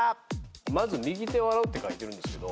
まず右手を洗うって書いてるんですけど